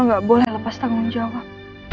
lo gak boleh lepas tanggung jawab